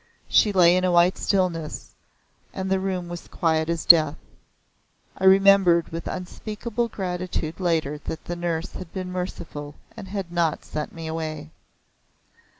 She lay in a white stillness, and the room was quiet as death. I remembered with unspeakable gratitude later that the nurse had been merciful and had not sent me away.